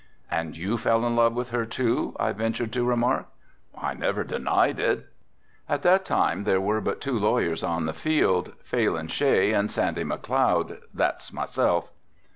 "And you fell in love with her too," I ventured to remark. "I never denied it." "At that time there were but two lawyers on the field, Phalin Shea and Sandy McLeod, that's myself.